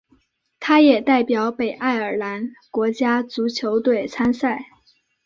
他也代表北爱尔兰国家足球队参赛。